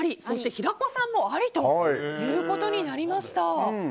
平子さんもありということになりました。